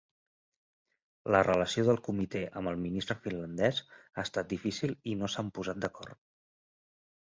La relació del Comité amb el ministre finlandés ha estat difícil i no s'han posat d'acord.